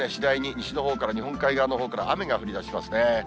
午後は次第に、西のほうから、日本海側のほうから雨が降りだしますね。